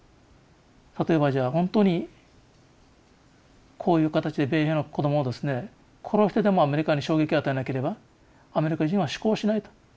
例えばじゃ本当にこういう形で米兵の子供をですね殺してでもアメリカに衝撃を与えなければアメリカ人は思考しないと。